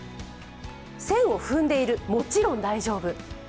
線を踏んでいる、もちろん大丈夫。